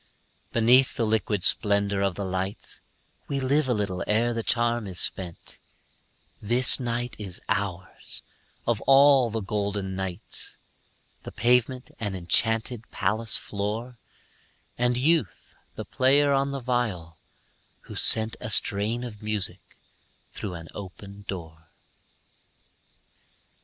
Beneath the liquid splendor of the lights We live a little ere the charm is spent; This night is ours, of all the golden nights, The pavement an enchanted palace floor, And Youth the player on the viol, who sent A strain of music through an open door.